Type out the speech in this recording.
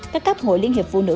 các cấp hội liên hiệp phụ nữ